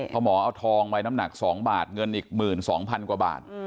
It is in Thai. พอหมอเอาทองไปน้ำหนัก๒บาทเงินอีก๑๒๐๐๐กว่าบาท